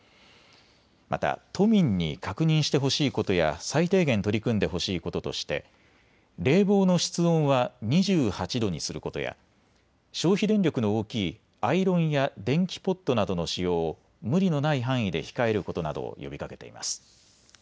また都民に確認してほしいことや最低限、取り組んでほしいこととして冷房の室温は２８度にすることや消費電力の大きいアイロンや電気ポットなどの使用を無理のない範囲で控えることなどを呼びかけています。